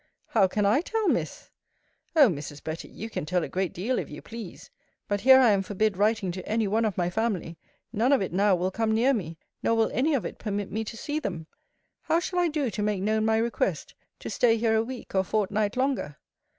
How can I tell, Miss? O Mrs. Betty, you can tell a great deal, if you please. But here I am forbid writing to any one of my family; none of it now will come near me; nor will any of it permit me to see them: How shall I do to make known my request, to stay here a week or fortnight longer?